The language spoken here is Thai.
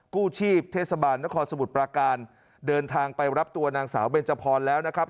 กู้ชีพเทศบาลนครสมุทรปราการเดินทางไปรับตัวนางสาวเบนจพรแล้วนะครับ